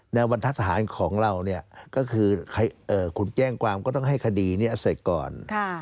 บรรทัศน์ของเราเนี่ยก็คือคุณแจ้งความก็ต้องให้คดีนี้เสร็จก่อน